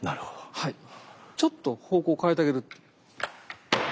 ちょっと方向を変えてあげる。